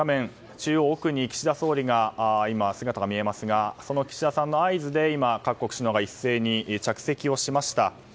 中央奥に岸田総理の姿が見えますがその岸田さんの合図で今、各国首脳が一斉に着席をしました。